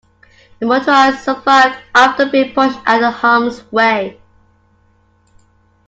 The motorist survived after being pushed out of harms way.